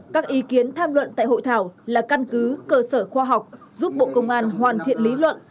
các ý kiến tham luận tại hội thảo là căn cứ cơ sở khoa học giúp bộ công an hoàn thiện lý luận